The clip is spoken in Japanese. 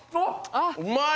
うまい！